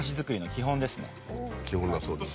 基本だそうです。